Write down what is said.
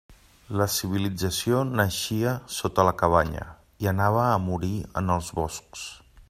La civilització naixia sota la cabanya i anava a morir en els boscs.